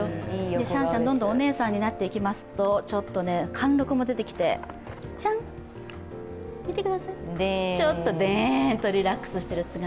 シャンシャンは、どんどんお姉さんになっていきますとちょっと貫禄も出てきて、ちょっとでーんとリラックスしてる姿。